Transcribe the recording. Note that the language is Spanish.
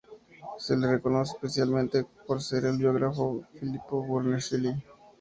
Se le reconoce especialmente por ser el biógrafo de Filippo Brunelleschi.